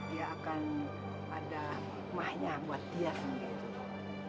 dia akan ada emahnya buat dia sendiri